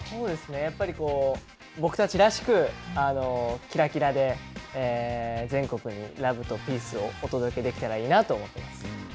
やっぱりこう、僕たちらしく、きらきらで、全国にＬＯＶＥとＰＥＡＣＥをお届けできたらいいなと思っています。